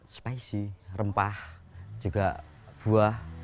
spesies rempah juga buah